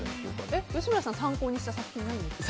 吉村さんは参考にした作品ないんですか？